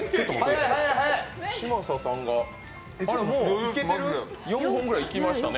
嶋佐さんがもう４本ぐらいいきましたね。